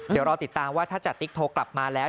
เดี๋ยวรอติดตามว่าถ้าจติ๊กโทรกลับมาแล้ว